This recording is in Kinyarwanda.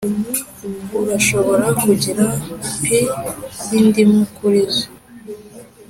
urashobora kugura pie yindimu kuri zoo;